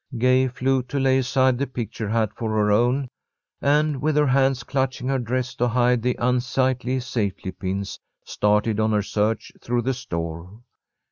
Gay flew to lay aside the picture hat for her own, and, with her hands clutching her dress to hide the unsightly safety pins, started on her search through the store.